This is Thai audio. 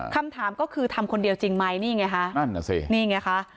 คำถามก็คือทำคนเดียวจริงไหมนี่ไงฮะนั่นน่ะสินี่ไงคะ